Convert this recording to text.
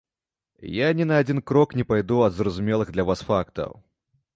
Я ні на адзін крок не пайду ад зразумелых для вас фактаў.